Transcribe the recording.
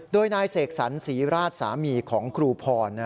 โดยนายเสกสรรศรีราชสามีของครูพร